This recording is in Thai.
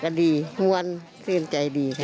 ก็ดีห่วงสินใจดีค่ะ